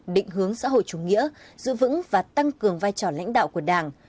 định hướng xã hội chủ nghĩa giữ vững và tăng cường vai trò lãnh đạo của đảng